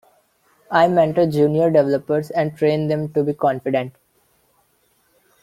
I mentor junior developers and train them to be confident.